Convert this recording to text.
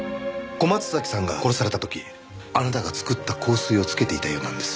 小松崎さんが殺された時あなたが作った香水を付けていたようなんです。